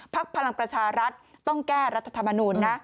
พลังประชารัฐต้องแก้รัฐธรรมนูญนะ